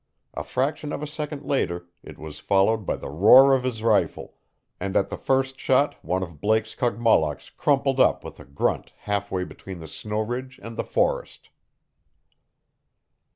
A fraction of a second later it was followed by the roar of his rifle, and at the first shot one of Blake's Kogmollocks crumpled up with a grunt half way between the snow ridge and the forest.